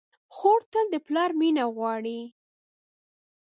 خور تل د پلار مینه غواړي.